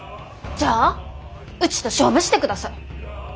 じゃあうちと勝負してください。